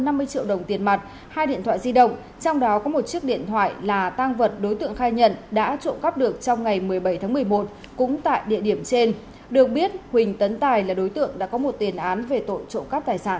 nam khai điện thoại di động trong đó có một chiếc điện thoại là tăng vật đối tượng khai nhận đã trộm cắp được trong ngày một mươi bảy tháng một mươi một cũng tại địa điểm trên được biết huỳnh tấn tài là đối tượng đã có một tiền án về tội trộm cắp tài sản